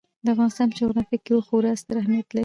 د افغانستان په جغرافیه کې اوښ خورا ستر اهمیت لري.